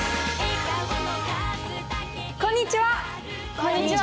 こんにちは！